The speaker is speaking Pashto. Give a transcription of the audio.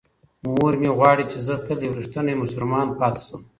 مور مې غواړي چې زه تل یو رښتینی مسلمان پاتې شم.